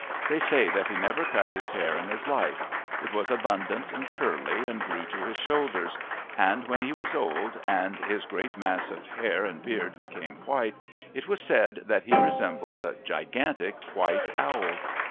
They say that he never cut his hair in his life. It was abundant and curly, and grew to his shoulders, and when he was old and his great mass of hair and beard became white it was said that he resembled a gigantic white owl.